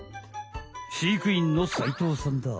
飼育員の齊藤さんだ。